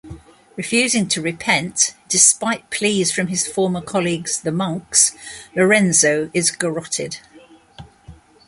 Refusing to repent, despite pleas from his former colleagues the monks, Lorenzo is garrotted.